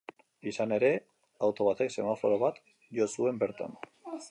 Izan ere, auto batek semaforo bat jo zuen, bertan.